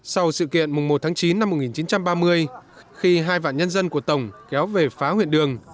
sau sự kiện mùng một tháng chín năm một nghìn chín trăm ba mươi khi hai vạn nhân dân của tổng kéo về phá huyện đường